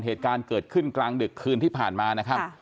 เหตุการณ์เกิดขึ้นกลางดึกคืนที่ผ่านมานะครับ